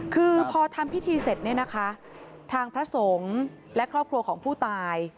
คือพอทำพิธีเสร็จเนี่ยนะคะทางพระสงฆ์และครอบครัวของผู้ตาย